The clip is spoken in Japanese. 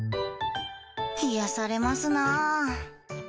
癒やされますなぁ。